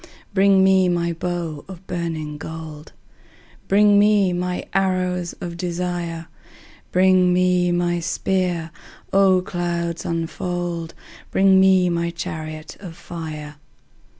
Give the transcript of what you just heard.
Bring me my bow of burning gold: Bring me my arrows of desire: Bring me my spear: O clouds unfold! Bring me my chariot of fire.